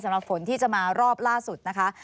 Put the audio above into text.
สำหรับฝนที่จะมารอบล่าสุดนะคะ